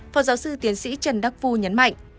phó giáo sư tiến sĩ trần đắc phu nhấn mạnh